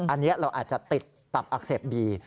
อันนี้เราอาจจะติดตับอักเสบบี